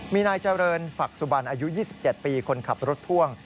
มีนายเจริญฝักสุบันอายุ๒๗ปีคนขับรถพ่วง